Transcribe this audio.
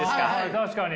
確かに。